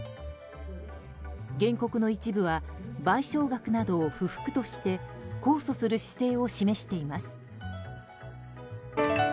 原告の一部は賠償額などを不服として控訴する姿勢を示しています。